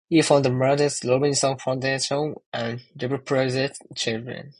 He founded the Marcus Robinson Foundation for underprivileged children.